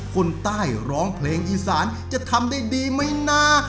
คนใต้ร้องเพลงอีสานจะทำได้ดีไหมนะ